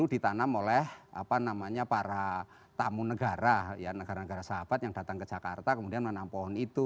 ditanam oleh apa namanya para tamu negara ya negara negara sahabat yang datang ke jakarta kemudian menampung itu